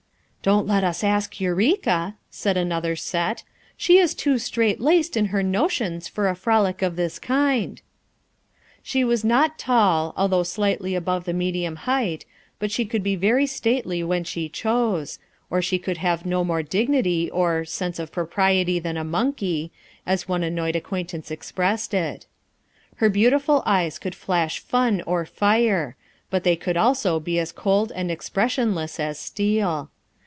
"Don't let ns ask Eureka," said another set; "she is too strait laced in her notions for a frolic of this kind." She was not tall, although slightly above the 20 FOUR MOTHERS AT CHAUTAUQUA medium height, but she could be very stately when she chose; or she could have no more dig nity "or sense of propriety than a monkey,' as one annoyed acquaintance expressed it Her beautiful eyes could Hash fun, or fire ; but they could also be as cold and expressionless as steel.